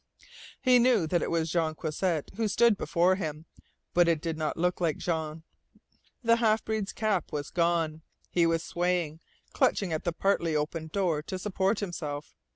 He knew that it was Jean Croisset who stood before him. But it did not look like Jean. The half breed's cap was gone. He was swaying, clutching at the partly opened door to support himself.